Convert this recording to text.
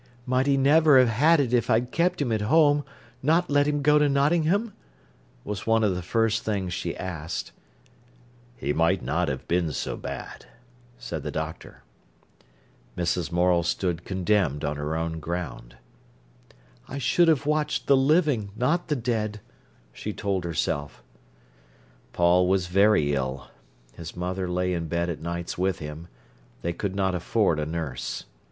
"Might he never have had it if I'd kept him at home, not let him go to Nottingham?" was one of the first things she asked. "He might not have been so bad," said the doctor. Mrs. Morel stood condemned on her own ground. "I should have watched the living, not the dead," she told herself. Paul was very ill. His mother lay in bed at nights with him; they could not afford a nurse.